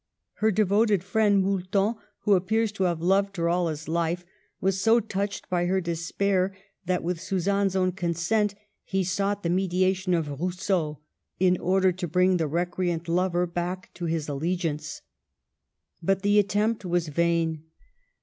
Her devoted friend, Moulton, who appears to have loved her all his life, was so touched by her despair, that, with Suzanne's own consent, he sought the me diation of Rousseau in order to bring the recre ant lover back to his allegiance. But the attempt was vain.